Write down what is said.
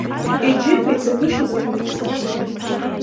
Иџьыба иҭагәышьази аҭаҳмада.